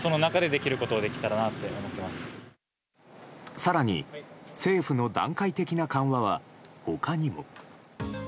更に政府の段階的な緩和は他にも。